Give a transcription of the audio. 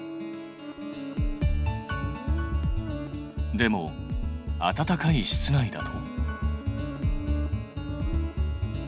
でも暖かい室内だと？